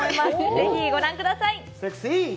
ぜひご覧ください。